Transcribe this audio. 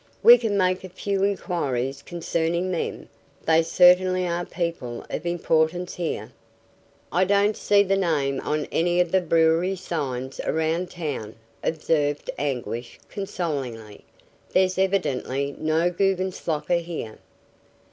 "We can make a few inquiries concerning them. They certainly are people of importance here." "I don't see the name on any of the brewery signs around town," observed Anguish, consolingly. "There's evidently no Guggenslocker here."